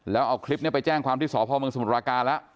แล้วเอาคลิปเนี่ยไปแจ้งความที่สอบภาวเมืองสมุทรปราการแล้ว